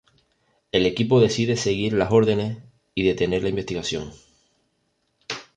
El equipo decide seguir las órdenes y detener la investigación.